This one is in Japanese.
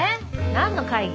何の会議？